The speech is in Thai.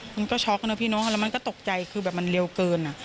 มันก็ช็อกนะพี่น้องแล้วมันก็ตกใจคือแบบมันเร็วเกิน